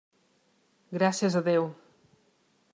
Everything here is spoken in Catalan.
Gràcies a Déu.